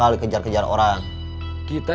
hakim pesan republican